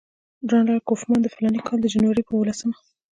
جنرال کوفمان د فلاني کال د جنوري پر اووه لسمه.